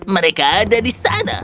mereka ada di sana